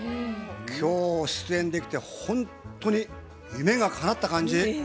今日出演できてほんとに夢がかなった感じ。